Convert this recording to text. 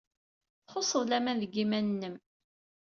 Txuṣṣeḍ laman deg yiman-nnem.